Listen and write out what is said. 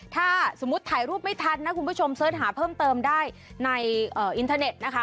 ถ้าสมมุติถ่ายรูปไม่ทันนะคุณผู้ชมเสิร์ชหาเพิ่มเติมได้ในอินเทอร์เน็ตนะคะ